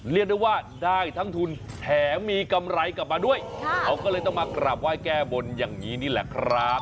เรียกได้ว่าได้ทั้งทุนแถมมีกำไรกลับมาด้วยเขาก็เลยต้องมากราบไหว้แก้บนอย่างนี้นี่แหละครับ